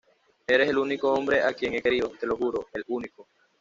eres el único hombre a quien he querido, te lo juro, el único...